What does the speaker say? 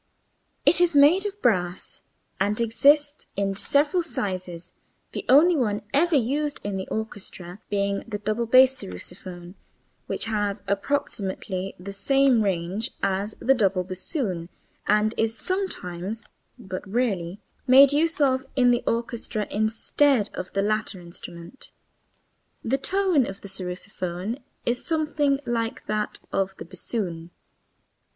It is made of brass and exists in several sizes, the only one ever used in the orchestra being the double bass sarrusophone, which has approximately the same range as the double bassoon and is sometimes (but rarely) made use of in the orchestra instead of the latter instrument. The tone of the sarrusophone is something like that of the bassoon.